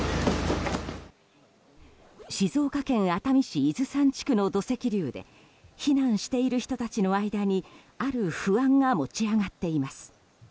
静岡県熱海市伊豆山地区の土石流で避難している人たちの間にある不安が持ち上がっています。